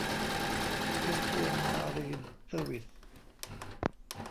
เอเชียน มารีน เซอร์วิสส์